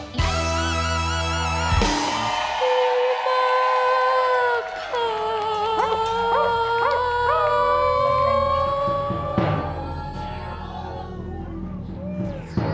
ดีมากคือ